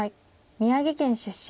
宮城県出身。